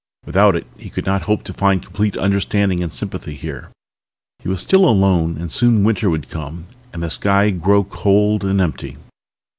Without it he could not hope to find complete understanding and sympathy here. He was still alone and soon winter would come and the sky grow cold and empty